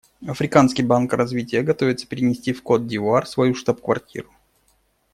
Африканский банк развития готовится перенести в Кот-д'Ивуар свою штаб-квартиру.